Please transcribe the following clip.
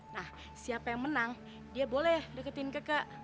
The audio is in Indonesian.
nah siapa yang menang dia boleh deketin keka